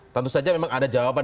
tentu saja memang ada jawaban